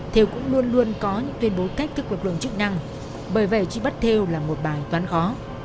thêu cũng luôn luôn có những tuyên bố cách thức lực lượng chức năng bởi vậy truy bắt thêu là một bài toán khó